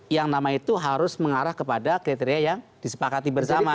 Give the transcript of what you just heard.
yang nama itu harus mengarah kepada kriteria yang disepakati bersama